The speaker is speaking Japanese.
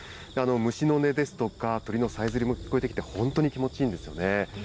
虫の音ですとか、鳥のさえずりも聞こえてきて、本当に気持ちいいんですよね。